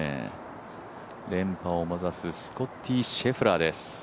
連覇を目指すスコッティ・シェフラーです。